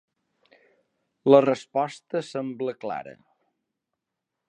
La resposta sembla clara.